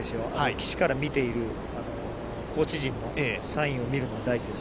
岸から見ているコーチ陣のサインを見るのは大事です。